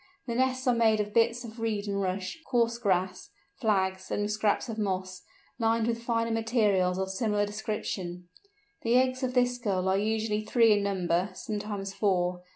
The nests are made of bits of reed and rush, coarse grass, flags, and scraps of moss, lined with finer materials of similar description. The eggs of this Gull are usually three in number, sometimes four.